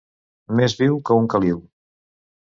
Més viu que un caliu.